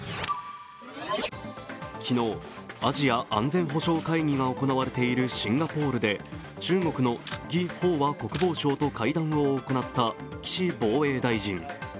昨日、アジア安全保障会議が行われているシンガポールで中国の魏鳳和国防相と会談を行った岸防衛大臣。